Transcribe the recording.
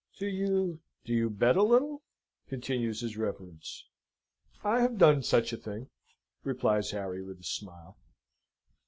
"Do you do you bet a little?" continues his reverence. "I have done such a thing," replies Harry with a smile.